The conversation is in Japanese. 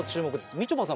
みちょぱさん